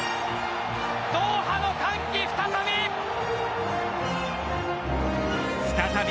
ドーハの歓喜、再び。